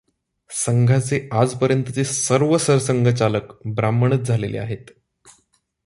संघाचे आजपर्यंतचे सर्व सरसंघचालक ब्राह्मणच झालेले आहेत.